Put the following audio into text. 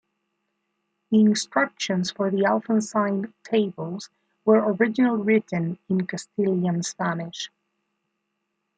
The instructions for the "Alfonsine tables" were originally written in Castilian Spanish.